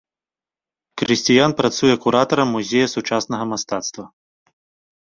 Крысціян працуе куратарам музея сучаснага мастацтва.